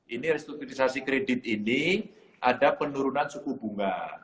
ini restrukturisasi kredit ini ada penurunan suku bunga